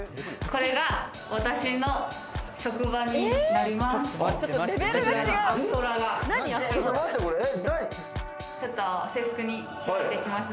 これが私の職場になります。